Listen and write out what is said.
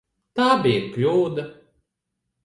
Tā bija kļūda.